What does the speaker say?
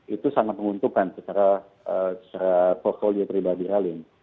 itu sangat menguntungkan secara portfolio pribadi ralin